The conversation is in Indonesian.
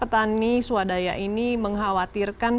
tani swadaya ini mengkhawatirkan